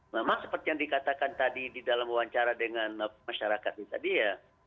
memang seperti yang dikatakan tadi di dalam wawancara dengan masyarakatnya tadi ya